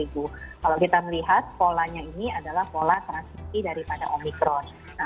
kalau kita melihat polanya ini adalah pola transisi daripada omicron